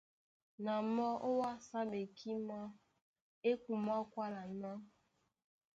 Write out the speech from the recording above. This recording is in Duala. Na mɔ́ ówásá ɓekímá é kumwá kwála ná: